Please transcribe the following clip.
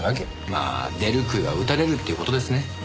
まあ「出る杭は打たれる」っていう事ですね。